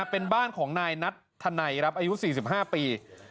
เป็นบ้านของนายนัทธนัยครับอายุ๔๕ปี